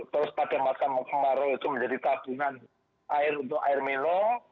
terus pada masa kemarau itu menjadi tabungan air untuk air minum